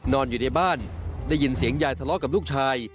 นอนอยู่ในบ้านได้ยินเสียงยายทะเลาะกับลูกชาย